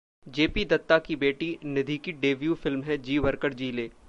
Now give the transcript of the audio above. JP Dutta की बेटी निधि की डेब्यू फिल्म है 'जी भर कर जी ले'